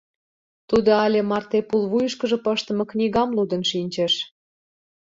Тудо але марте пулвуйышкыжо пыштыме книгам лудын шинчыш.